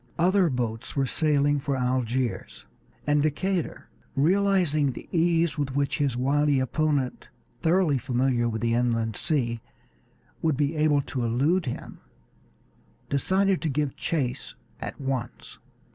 Other boats were sailing for Algiers, and Decatur, realizing the ease with which his wily opponent, thoroughly familiar with the inland sea, would be able to elude him, decided to give chase at once.